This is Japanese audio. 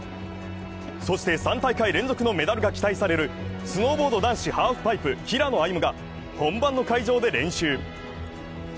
そして３大会連続のメダルが期待されるスノーボード男子ハーフパイプ平野歩夢が本番の会場で練習。